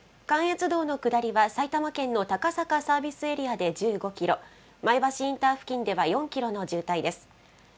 関越道の下りは埼玉県の高坂サービスエリアで１５キロ、前橋インター付近では４キロの渋滞です。